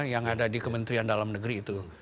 yang ada di kementerian dalam negeri itu